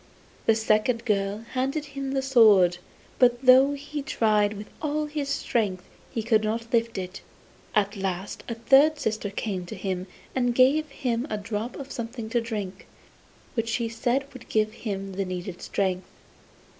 The second girl handed him the sword, but though he tried with all his strength he could not lift it. At last a third sister came to him and gave him a drop of something to drink, which she said would give him the needful strength.